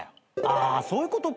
あそういうことか。